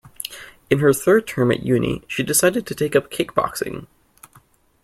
In her third term at uni she decided to take up kickboxing